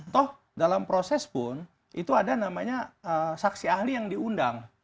toh dalam proses pun itu ada namanya saksi ahli yang diundang